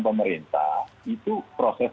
pemerintah itu proses